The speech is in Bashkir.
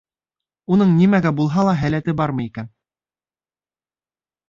Уның нимәгә булһа ла һәләте бармы икән?